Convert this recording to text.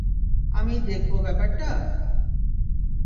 আমি দেখব ব্যাপারটা?